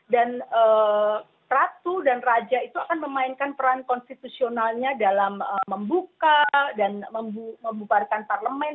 dan ratu dan raja itu akan memainkan peran konstitusionalnya dalam membuka dan membubarkan parlemen